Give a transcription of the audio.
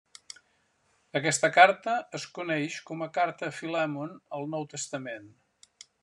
Aquesta carta es coneix com a Carta a Filèmon al Nou Testament.